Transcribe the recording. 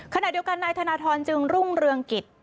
ขณะเดียวกันนายธนทรจึงรุ่งเรืองกิจ